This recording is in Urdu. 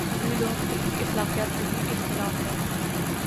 مذہبی لوگوں کی تفہیم اخلاقیات میں بھی اختلاف ہے۔